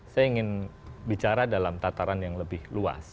saya ingin bicara dalam tataran yang lebih luas